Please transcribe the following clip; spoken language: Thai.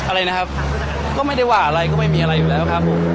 อะไรนะครับก็ไม่ได้ว่าอะไรก็ไม่มีอะไรอยู่แล้วครับผม